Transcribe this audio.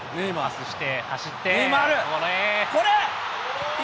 そして走って。